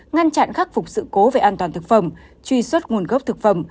ngăn chặn khắc phục sự cố về an toàn thực phẩm truy xuất nguồn gốc thực phẩm